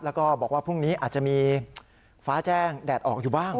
แล้วก็บอกว่าพรุ่งนี้อาจจะมีฟ้าแจ้งแดดออกอยู่บ้าง